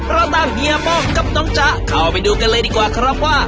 เราตามเฮียป้องกับน้องจ๊ะเข้าไปดูกันเลยดีกว่าครับว่า